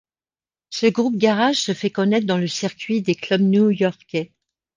Ce groupe garage se fait connaître dans le circuit des clubs new-yorkais.